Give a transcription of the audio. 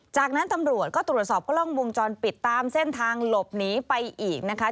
จากนั้นตำรวจก็ตรวจสอบกล้องวงจรปิดตามเส้นทางหลบหนีไปอีกนะคะ